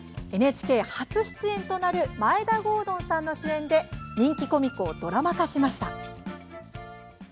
ＮＨＫ初出演となる眞栄田郷敦さんの主演で、人気コミックをドラマ化しました。